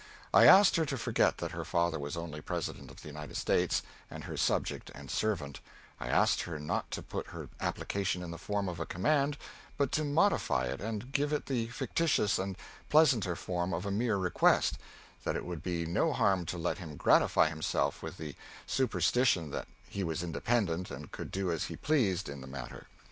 I asked her to forget that her father was only President of the United States, and her subject and servant; I asked her not to put her application in the form of a command, but to modify it, and give it the fictitious and pleasanter form of a mere request that it would be no harm to let him gratify himself with the superstition that he was independent and could do as he pleased in the matter.